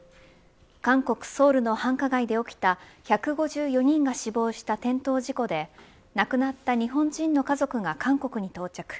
韓国ソウルの繁華街で起きた１５４人が死亡した転倒事故で亡くなった日本人の家族が韓国に到着。